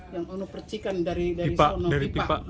yang ada percikan dari pipa